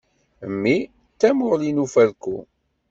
Mmi d tamuɣli n ufalku.